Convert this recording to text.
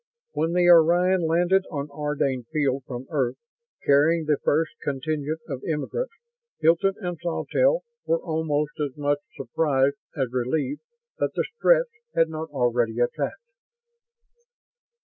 When the Orion landed on Ardane Field from Earth, carrying the first contingent of immigrants, Hilton and Sawtelle were almost as much surprised as relieved that the Stretts had not already attacked.